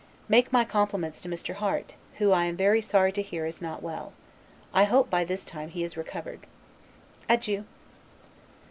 Make my compliments to Mr. Harte, who, I am very sorry to hear, is not well. I hope by this time he is recovered. Adieu!